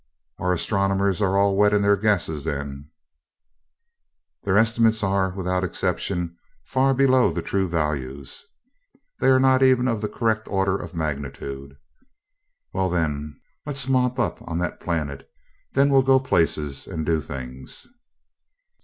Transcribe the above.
"Our astronomers are all wet in their guesses, then?" "Their estimates are, without exception, far below the true values. They are not even of the correct order of magnitude.'" "Well, then, let's mop up on that planet. Then we'll go places and do things."